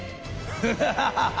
フハハハハ！